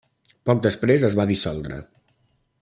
Poc després es va dissoldre.